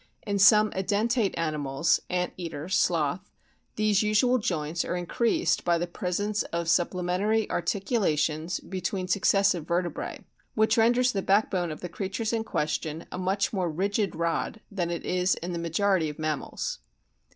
In some Edentate animals (Ant eater, Sloth) these usual joints are increased by the presence of supplementary articulations between suc cessive vertebrre, which renders the backbone of the creatures in question a much more rigid rod than it is in the majority of mammals.